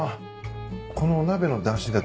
このお鍋のだし